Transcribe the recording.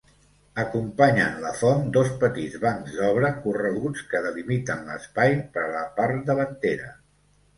Acompanyen la font dos petits bancs d'obra correguts que delimiten l'espai per la part davantera.